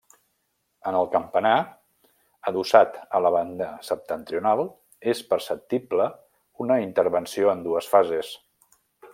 En el campanar, adossat a la banda septentrional, és perceptible una intervenció en dues fases.